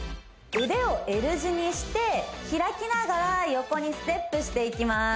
腕をＬ字にして開きながら横にステップしていきます